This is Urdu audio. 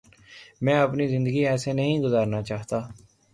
میں اپنی زندگی ایسے نہیں گزارنا چاہتا